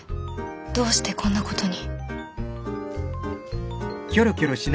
どうしてこんなことに。